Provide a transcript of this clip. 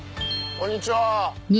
こんにちは。